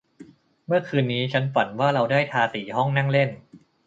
เมื่อคืนนี้ฉันฝันว่าเราได้ทาสีห้องนั่งเล่น